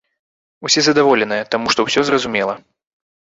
Усе задаволеныя, таму што ўсё зразумела.